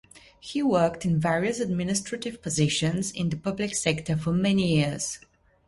He worked in various administrative positions in the public sector for many years.